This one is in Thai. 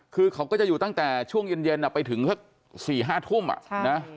คือเขาก็จะอยู่ตั้งแต่ช่วงเย็นเย็นอ่ะไปถึงสี่ห้าทุ่มอ่ะใช่